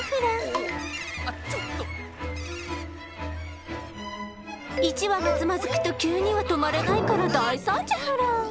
一羽がつまずくと急には止まれないから大惨事フラ。